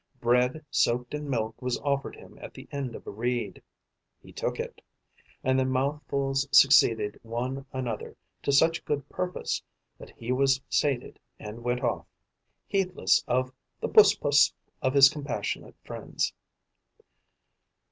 Bread soaked in milk was offered him at the end of a reed. He took it. And the mouthfuls succeeded one another to such good purpose that he was sated and went off, heedless of the 'Puss! Puss!' of his compassionate friends.